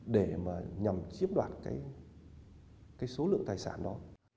để mà nhằm chiếm đoạt cái số lượng tài sản đó